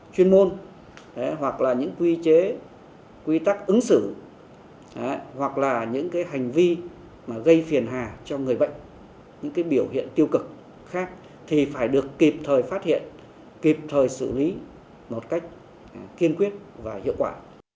chuyên môn hoặc là những quy chế quy tắc ứng xử hoặc là những hành vi gây phiền hà cho người bệnh những biểu hiện tiêu cực khác thì phải được kịp thời phát hiện kịp thời xử lý một cách kiên quyết và hiệu quả